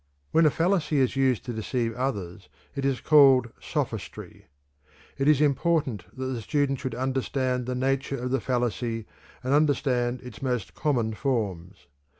When a fallacy is used to deceive others, it is called 'sophistry,'" It is important that the student should understand the nature of the fallacy and understand its most common forms.